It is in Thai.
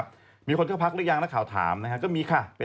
ผมจำชื่อไม่ได้เขาไม่ได้บอกไว้